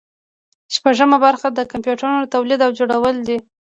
شپږمه برخه د کمپیوټرونو تولید او جوړول دي.